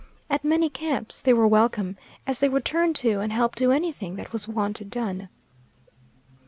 At many camps they were welcome, as they would turn to and help do anything that was wanted done.